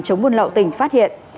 chống buôn lậu tỉnh phát hiện